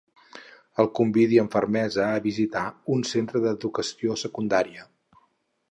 El convidi amb fermesa a visitar un centre d'educació secundària.